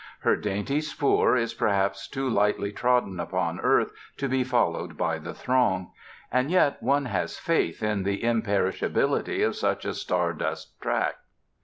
Her dainty spoor is perhaps too lightly trodden upon earth to be followed by the throng. And yet one has faith in the imperishability of such a star dust track.